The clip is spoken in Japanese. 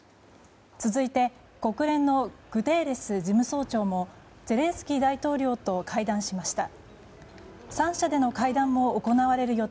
続いて国連のグテーレス事務総長もゼレンスキー大統領と会談しました。